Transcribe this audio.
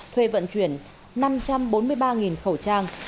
thuê vận chuyển năm trăm bốn mươi ba khẩu trang